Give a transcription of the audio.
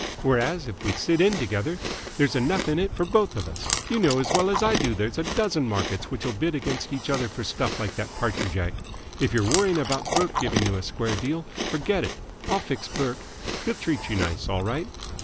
Whereas if we sit in together, there's enough in it for both of us. You know as well as I do that there's a dozen markets which'll bid against each other for stuff like that Partridgite. If you're worrying about Burke giving you a square deal, forget it. I'll fix Burke. He'll treat you nice, all right."